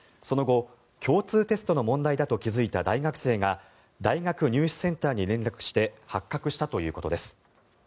その後、共通テストの問題だと気付いた大学生が大学入試センターに連絡して発覚したということです。